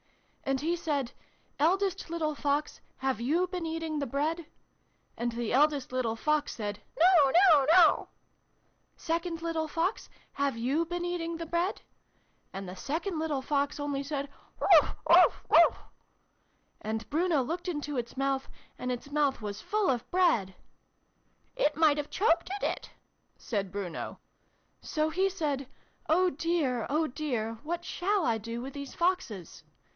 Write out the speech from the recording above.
"And he said ' Eldest little Fox, have you been eating the Bread ?' And the eldest little Fox said ' No no no !'' Second little Fox, have you been eating the Bread ?' And the second little Fox only said ' Wauch ! Wauch ! Wauch !' And Bruno looked into its mouth, and its mouth was full of Bread!" (" It might have chokeded it," said Bruno.) " So he said ' Oh dear, oh dear ! What shall I do with these Foxes